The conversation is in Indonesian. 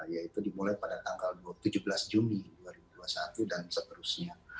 yaitu dimulai pada tanggal tujuh belas juni dua ribu dua puluh satu dan seterusnya